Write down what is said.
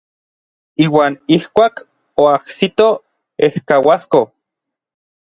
Iuan ijkuak oajsitoj ejkauasko.